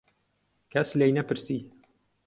کەس لێی نەپرسی.